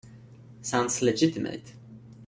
Sounds legitimate.